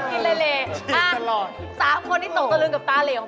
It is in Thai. เขายังไม่ได้เหรอเพื่อนขอนี่อ่ะนะเจ๋ง